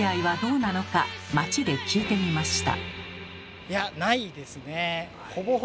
街で聞いてみました。